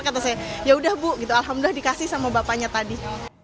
kata saya yaudah bu gitu alhamdulillah dikasih sama bapaknya tadi